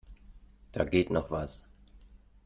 Da geht noch was.